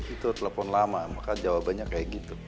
itu telepon lama maka jawabannya kayak gitu